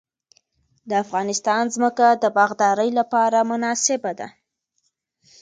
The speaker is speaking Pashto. د افغانستان ځمکه د باغدارۍ لپاره مناسبه ده